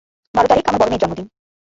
বার তারিখ আমার বড়মেয়ের জন্মদিন।